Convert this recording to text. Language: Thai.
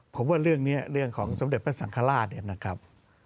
ผมว่าเรื่องนี้เรื่องของสมเด็จพระสังฆราชเนี่ยนะครับ